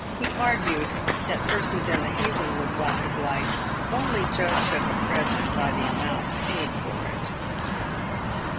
He argued that persons in the Hazlewood walk of life only judged of a present by the amount paid for it.